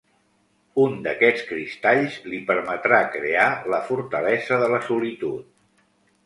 Un d'aquests cristalls li permetrà crear la Fortalesa de la Solitud.